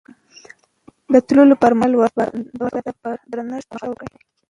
د تلو پر مهال ورته په درنښت مخه ښه وکړئ.